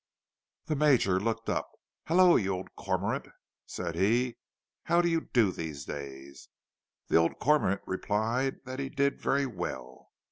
The Major looked up. "Hello, you old cormorant," said he. "How do you do these days?" The old cormorant replied that he did very well.